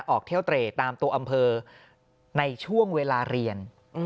ออกเที่ยวเตรตามตัวอำเภอในช่วงเวลาเรียน